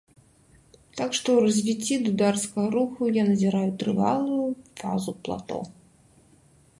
Так што ў развіцці дударскага руху я назіраю трывалую фазу плато.